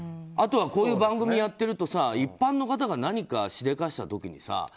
あとはこういう番組をやっていると一般の方が何かしでかした時にさ